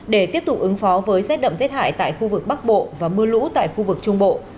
để tiếp tục ứng phó với rét đậm rét hại tại khu vực bắc bộ và mưa lũ tại khu vực trung bộ